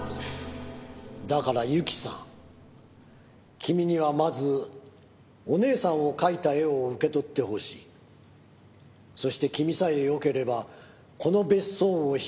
「だからゆきさん君にはまずお姉さんを描いた絵を受け取ってほしい」「そして君さえよければこの別荘を引き継いでほしい」